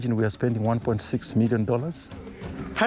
คิดว่าเราจะเงิน๑๖มิลลิเมรินดอลลาร์